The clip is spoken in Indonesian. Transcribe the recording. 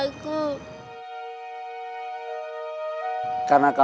karena kamu telah mencari saya